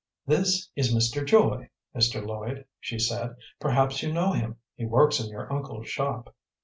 "This is Mr. Joy, Mr. Lloyd," she said; "perhaps you know him. He works in your uncle's shop."